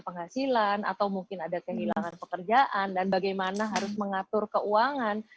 penghasilan atau mungkin ada kehilangan pekerjaan dan bagaimana harus mengatur keuangan